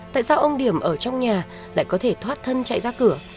tại sao ông điểm ở trong nhà lại có thể thoát thân chạy ra cửa